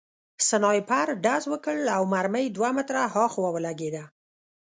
سنایپر ډز وکړ او مرمۍ دوه متره هاخوا ولګېده